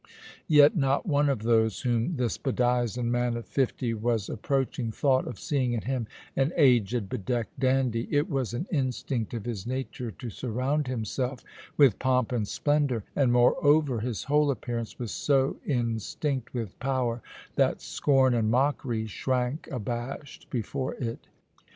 Yet not one of those whom this bedizened man of fifty was approaching thought of seeing in him an aged, bedecked dandy; it was an instinct of his nature to surround himself with pomp and splendour and, moreover, his whole appearance was so instinct with power that scorn and mockery shrank abashed before it.